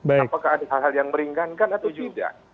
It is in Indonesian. apakah ada hal hal yang meringankan atau tidak